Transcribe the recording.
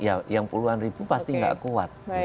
ya yang puluhan ribu pasti nggak kuat